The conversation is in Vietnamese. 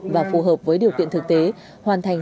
và phù hợp với điều kiện thực tế hoàn thành